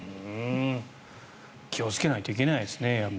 気をつけないといけないですね。